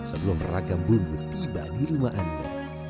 sebelum ragam bumbu tiba di rumah anda